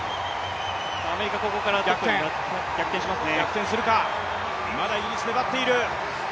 アメリカ、ここから逆転しますね。